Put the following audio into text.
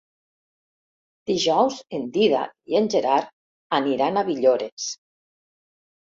Dijous en Dídac i en Gerard aniran a Villores.